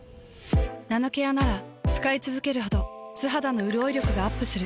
ナノケアなら使いつづけるほど素肌のうるおい力がアップする。